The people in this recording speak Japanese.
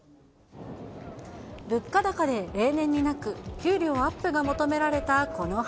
物価高で例年になく給料アップが求められたこの春。